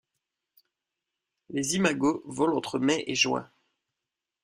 Les imagos volent entre mai et juin.